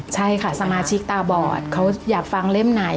ใช่ค่ะสมาชิกตาบอดเขาอยากฟังเล่มไหน